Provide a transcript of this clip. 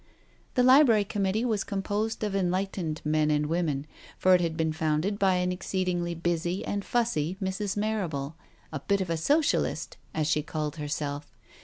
The Library Committee was composed of enlightened men and women, for it had been founded by an exceed ingly busy and fussy Mrs. Marrable, "a bit of a Socialist," as she called herself.